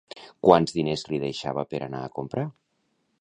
Quants diners li deixava per anar a comprar?